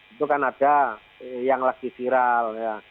itu kan ada yang lagi viral ya